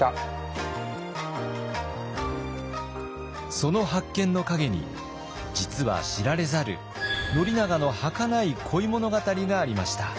その発見の陰に実は知られざる宣長のはかない恋物語がありました。